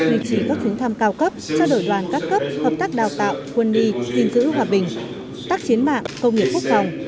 duy trì các hướng tham cao cấp trao đổi đoàn các cấp hợp tác đào tạo quân y tìm giữ hòa bình tác chiến mạng công nghiệp quốc phòng